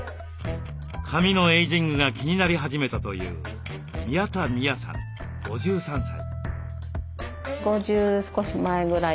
髪のエイジングが気になり始めたという宮田美弥さん５３歳。